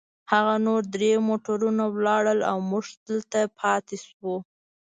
هغه نور درې موټرونه ولاړل، او موږ دلته پاتې شوو.